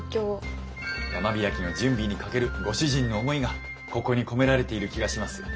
山開きの準備にかけるご主人の思いがここに込められている気がします。